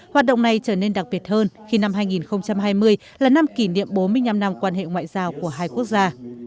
hoạt động này trở nên đặc biệt hơn khi năm hai nghìn hai mươi là năm kỷ niệm bốn mươi năm năm quan hệ ngoại giao của hai quốc gia